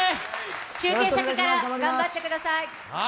中継先から頑張ってください。